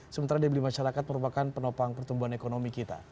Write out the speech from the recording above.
sementara daya beli masyarakat merupakan penopang pertumbuhan ekonomi kita